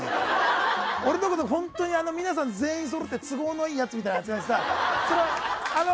俺のこと、皆さん全員そろって都合のいいやつみたいな扱いしてさ。